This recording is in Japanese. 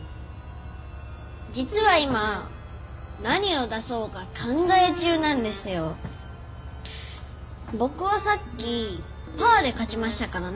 実は今何を出そうか考え中なんですよ。ぼくはさっき「パー」で勝ちましたからね。